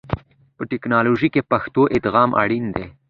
په ټکنالوژي کې پښتو ادغام اړین دی.